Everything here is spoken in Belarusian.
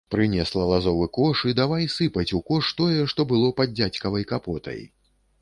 Прынесла лазовы кош і давай сыпаць у кош тое, што было пад дзядзькавай капотай.